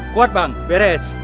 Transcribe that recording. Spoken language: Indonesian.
kuat bang beres